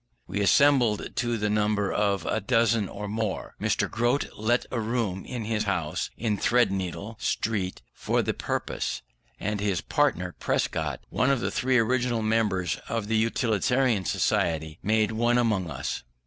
We assembled to the number of a dozen or more. Mr. Grote lent a room of his house in Threadneedle Street for the purpose, and his partner, Prescott, one of the three original members of the Utilitarian Society, made one among us.